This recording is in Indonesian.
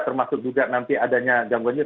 termasuk juga nanti adanya gangguannya